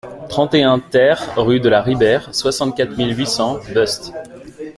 trente et un TER rue de la Ribère, soixante-quatre mille huit cents Beuste